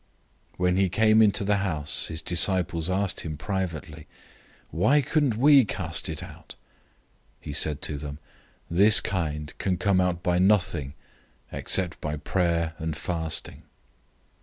009:028 When he had come into the house, his disciples asked him privately, "Why couldn't we cast it out?" 009:029 He said to them, "This kind can come out by nothing, except by prayer and fasting."